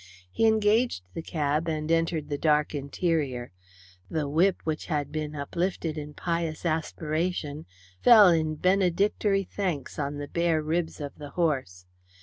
He engaged the cab and entered the dark interior. The whip which had been uplifted in pious aspiration fell in benedictory thanks on the bare ribs of the horse.